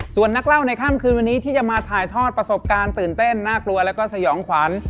ส่วนนักเล่าในค่ำคืนวันนี้ที่จะมาถ่ายทอดประสบการณ์ตื่นเต้นน่ากลัวแล้วก็สยองขวัญ